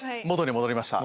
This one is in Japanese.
戻りました。